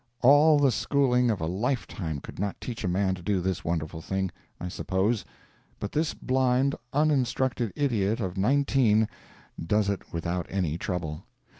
All the schooling of a life time could not teach a man to do this wonderful thing, I suppose—but this blind, uninstructed idiot of nineteen does it without any trouble.